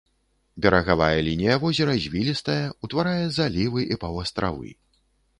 Берагавая лінія возера звілістая, утварае залівы і паўастравы.